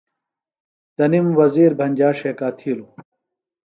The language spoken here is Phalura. تنِم وزیر بھنجا ݜیکا تِھیلوۡ۔